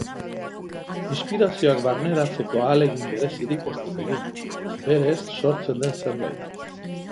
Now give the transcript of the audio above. Inspirazioak barneratzeko ahalegin berezirik ez dut egiten, berez sortzen den zerbait da.